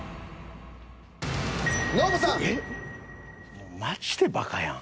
もうマジでバカやん。